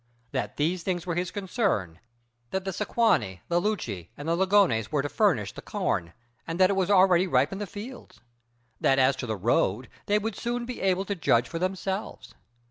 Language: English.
That these things were his concern; that the Sequani, the Leuci, and the Lingones were to furnish the corn; and that it was already ripe in the fields; that as to the road, they would soon be able to judge for themselves.